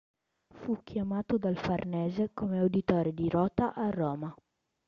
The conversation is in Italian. Fu chiamato dal Farnese come Auditore di Rota a Roma.